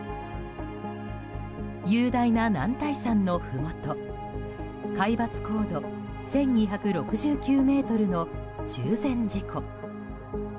雄大な男体山のふもと海抜高度１２６９ｍの中禅寺湖。